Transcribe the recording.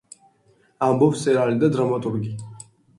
ამბობს მწერალი და დრამატურგი.